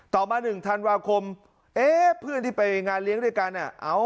ต่อมา๑ธันวาคมเอ๊ะเพื่อนที่ไปงานเลี้ยงด้วยกัน